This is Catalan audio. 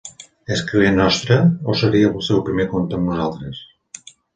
És client nostre, o seria el seu primer compte amb nosaltres?